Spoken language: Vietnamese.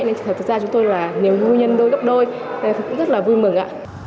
nên thực ra chúng tôi là nhiều nguyên nhân đôi gấp đôi rất là vui mừng